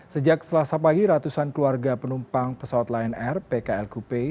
sejak selasa pagi ratusan keluarga penumpang pesawat lion air pkl kupei